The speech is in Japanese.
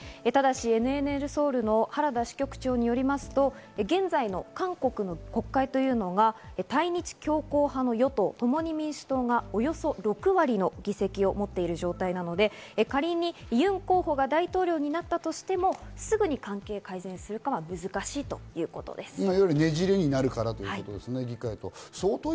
ただしＣＮＮソウルの原田支局長によりますと、現在の韓国の国会というのが対日強硬派の与党「共に民主党」が６割の議席数を持っているということなので、仮にユン候補が大統領になったとしても、すぐに関係改善になるかは難しいということです。